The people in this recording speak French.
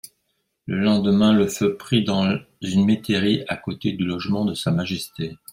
Le lendemain le feu prit dans une métairie à côté du logement de Sa Majesté.